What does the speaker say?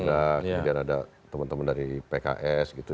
kemudian ada teman teman dari pks gitu